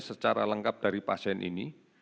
secara lengkap dari pasien ini